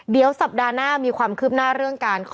เดี๋ยวสัปดาห์หน้ามีความคืบหน้าเรื่องการขอ